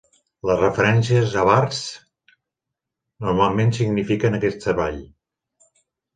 Les referències a "Bartsch" normalment signifiquen aquest treball.